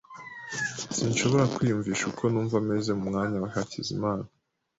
Sinshobora kwiyumvisha uko numva meze mu mwanya wa Hakizimana .